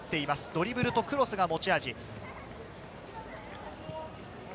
ドリブルとクロスが持ち味。